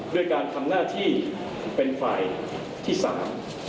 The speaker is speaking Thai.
ด้วยการทำหน้าที่เป็นฝ่ายที่สาม